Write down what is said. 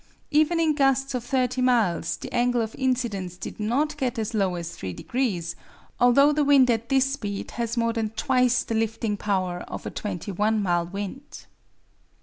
Even in gusts of 30 miles the angle of incidence did not get as low as three degrees, although the wind at this speed has more than twice the lifting power of a 21 mile wind.